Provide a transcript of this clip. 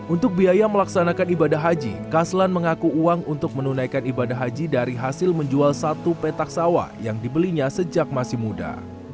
untuk biaya melaksanakan ibadah haji kaslan mengaku uang untuk menunaikan ibadah haji dari hasil menjual satu petak sawah yang dibelinya sejak masih muda